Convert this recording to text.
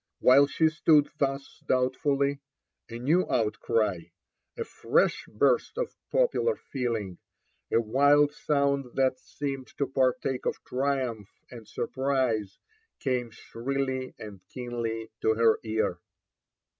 While she stood thus doubtfully, a new outcry — a fresh burst of popular feeling, a wild sound that seemed to partake of triumph and surprise, came shrilly and keenly to her ear.